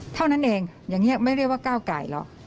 เท่านั้นเองอย่างนี้ไม่เรียกว่าก้าวไก่หรอก